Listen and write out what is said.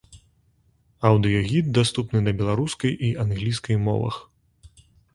Аўдыёгід даступны на беларускай і англійскай мовах.